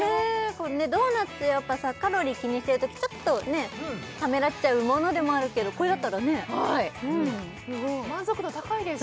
ドーナツってやっぱカロリー気にしてるときちょっとねためらっちゃうものでもあるけどこれだったらねはい満足度高いですよね